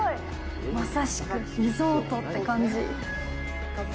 まさしくリゾートって感じ！